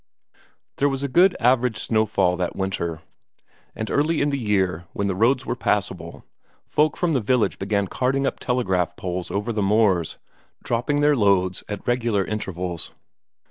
There was a good average snowfall that winter, and early in the year, when the roads were passable, folk from the village began carting up telegraph poles over the moors, dropping their loads at regular intervals.